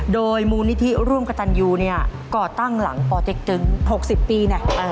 โดยมูลนิธีร่วมกับตันอยู่ก่อตั้งหลังปอดติ๊กตึง๖๐ปี